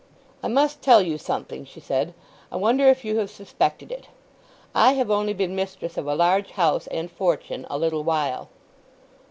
"I must tell you something," she said. "I wonder if you have suspected it. I have only been mistress of a large house and fortune a little while."